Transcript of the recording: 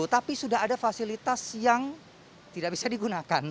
tapi sudah ada fasilitas yang tidak bisa digunakan